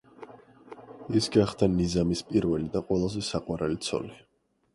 ის გახდა ნიზამის პირველი და ყველაზე საყვარელი ცოლი.